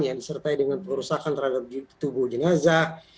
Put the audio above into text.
yang disertai dengan perusahaan terhadap tubuh jenazah